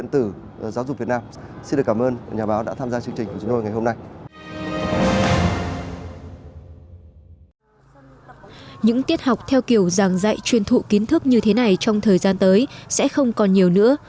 những tiết học theo kiểu giảng dạy truyền thụ kiến thức như thế này trong thời gian tới sẽ không còn nhiều nữa